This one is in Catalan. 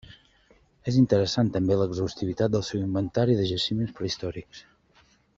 És interessant també l'exhaustivitat del seu inventari de jaciments prehistòrics.